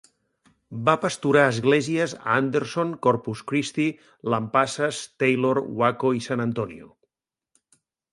Va pasturar esglésies a Anderson, Corpus Christi, Lampasas, Taylor, Waco i San Antonio.